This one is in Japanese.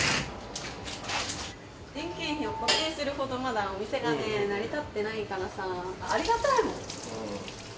人件費を固定するほどまだお店がね成り立ってないからさありがたいもん。